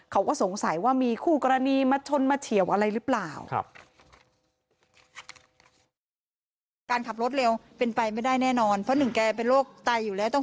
เขาก็สงสัยว่ามีคู่กรณีมาชนมาเฉียวอะไรหรือเปล่า